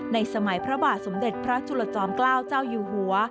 สมัยพระบาทสมเด็จพระจุลจอมเกล้าเจ้าอยู่หัว